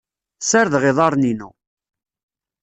Serdeɣ iḍaren-inu.